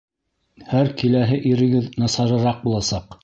Һәр киләһе ирегеҙ насарыраҡ буласаҡ!